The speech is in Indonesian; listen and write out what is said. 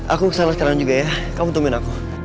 aku kesana sekarang juga ya kamu tungguin aku